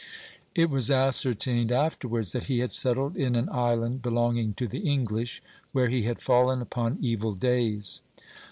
It was ascer tained afterwards that he had settled in an island be longing to the English, where he had fallen upon evil days.